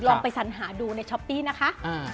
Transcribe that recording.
ลองไปสัญหาดูในช้อปปี้นะคะ